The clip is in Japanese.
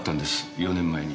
４年前に。